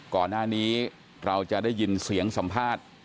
ก่อนหน้านี้เราจะได้ยินเสียงสัมภาษณ์